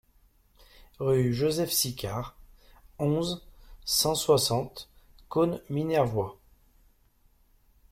Rue Joseph Sicard, onze, cent soixante Caunes-Minervois